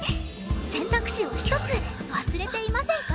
選択肢を１つ忘れていませんか？